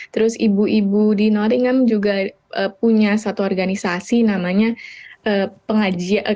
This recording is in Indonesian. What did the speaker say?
terus ibu ibu di noltingham juga punya satu organisasi namanya pengajian